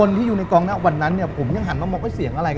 น้องกลุ่มเนี่ย